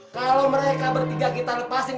kalau mereka bertiga kita lepasin